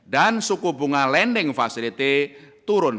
dan suku bunga lending facility turun